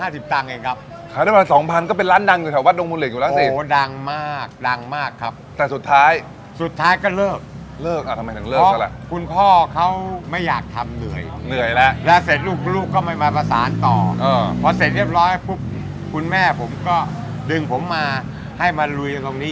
สิบตังค์เองครับขายได้มาสองพันก็เป็นร้านดังอยู่แถววัดโดมูเหล็กอยู่แล้วสิโอ้ดังมากดังมากครับแต่สุดท้ายสุดท้ายก็เลิกเลิกอ่าทำไมถึงเลิกเท่าไรเพราะคุณพ่อเขาไม่อยากทำเหนื่อยเหนื่อยแล้วแล้วเสร็จลูกลูกก็ไม่มาประสานต่อเออพอเสร็จเรียบร้อยฮะคุณแม่ผมก็ดึงผมมาให้มาลุ